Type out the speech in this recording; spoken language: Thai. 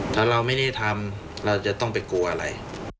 ถ้าเราไม่ได้ทำเราจะต้องไปกลัวอะไร